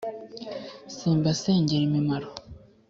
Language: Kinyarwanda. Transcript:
simbasengera imimaro.